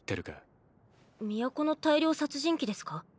都の大量殺人鬼ですか？